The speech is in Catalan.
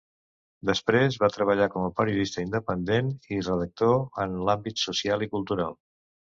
Després va treballar com a periodista independent i redactor, en l'àmbit social i cultural.